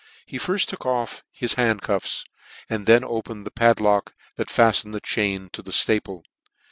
He firft took off his hand cuffs, and then opened the padlock that fattened the chain to 'the itaple.